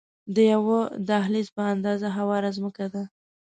د یوه دهلیز په اندازه هواره ځمکه ده.